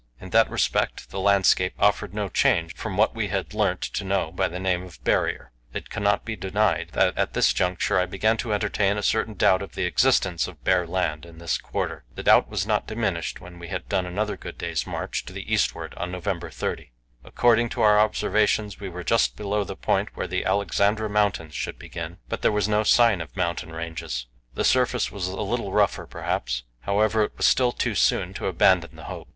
In that respect the landscape offered no change from what we had learnt to know by the name of "Barrier." It cannot be denied that at this juncture I began to entertain a certain doubt of the existence of bare land in this quarter. This doubt was not diminished when we had done another good day's march to the eastward on November 30. According to our observations we were then just below the point where the Alexandra Mountains should begin, but there was no sign of mountain ranges; the surface was a little rougher, perhaps. However, it was still too soon to abandon the hope.